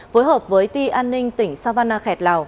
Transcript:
với hợp với ti an ninh tỉnh savannah khẹt lào